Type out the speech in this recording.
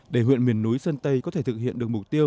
để huyện miền núi sơn tây có thể thực hiện được mục tiêu